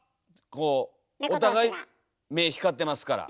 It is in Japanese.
こうお互い目光ってますから。